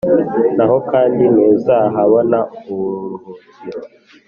naho kandi ntuzahabona uburuhukiro.”